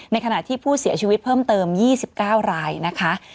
ขณะที่ผู้เสียชีวิตเพิ่มเติม๒๙รายนะคะ